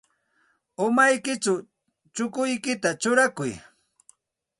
Umaykićhaw chukuykita churaykuy.